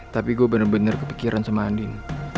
tapi gue bener bener kepikiran sama andin